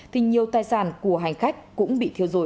thì nhiều tài sản của hành khách cũng bị thiêu dội